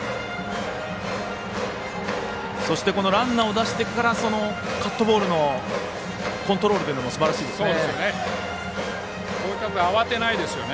そして、ランナーを出してからのカットボールのコントロールもすばらしいですね。